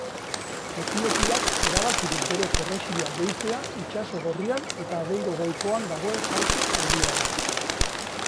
Etiopiak erabaki du bere perrexila gehitzea Itsaso Gorrian eta Adengo golkoan dagoen saltsa handiari.